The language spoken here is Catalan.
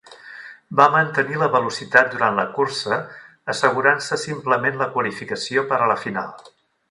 Va mantenir la velocitat durant la cursa, assegurant-se simplement la qualificació per a la final.